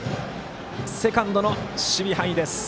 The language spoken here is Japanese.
セカンドの守備範囲。